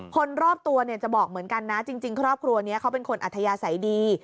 คนรอบตัวเนี่ยจะบอกเหมือนกันนะจริงครอบครัวนี้เขาเป็นคนอัธยาศัยดี